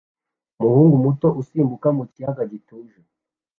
Umuhungu muto usimbukira mu kiyaga gituje